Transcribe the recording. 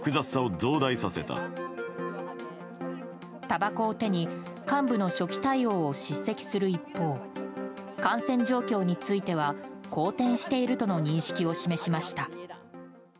たばこを手に幹部の初期対応を叱責する一方感染状況については好転しているとの認識を示しました。